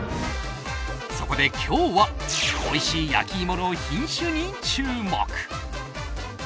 そこで今日はおいしい焼き芋の品種に注目。